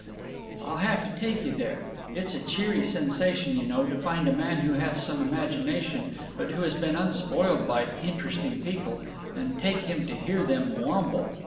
"I'll have to take you there. It's a cheery sensation, you know, to find a man who has some imagination, but who has been unspoiled by Interesting People, and take him to hear them wamble.